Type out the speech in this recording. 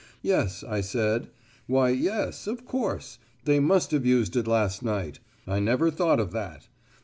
"Yes," I said. "Why yes, of course, they must have used it last night. I never thought of that.